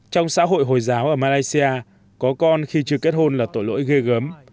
trong xã hội hồi giáo ở malaysia có con khi chưa kết hôn là tội lỗi ghê gớm